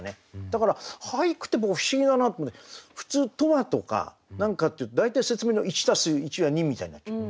だから俳句って僕不思議だなって思って普通「とは」とか何かっていうと大体説明の１＋１＝２みたいになっちゃう。